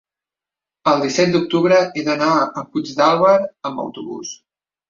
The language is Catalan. el disset d'octubre he d'anar a Puigdàlber amb autobús.